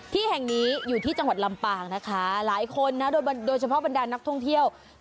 ที่แห่งนี้อยู่ที่จังหวัดลำปางนะคะหลายคนนะโดยเฉพาะบรรดานักท่องเที่ยว